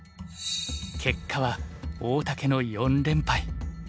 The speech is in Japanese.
結果は大竹の４連敗。